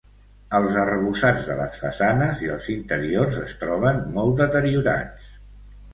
Els arrebossats de les façanes i els interiors es troben molt deteriorats.